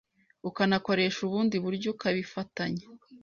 ukanakoresha ubundi buryo ukabifatanya